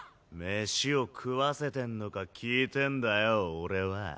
飯を食わせてんのか聞いてんだよ俺は。